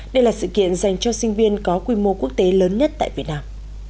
đây là sự kiện dành cho sinh viên có quy mô quốc tế lớn nhất tại việt nam